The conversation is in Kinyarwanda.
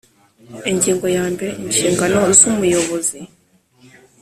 Ingingo ya mbere Inshingano z umuyobozi